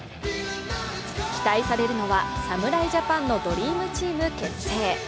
期待されるのは侍ジャパンのドリームチーム結成。